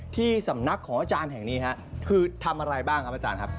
ที่สำนักของอาจารย์แห่งนี้ฮะคือทำอะไรบ้างครับอาจารย์ครับ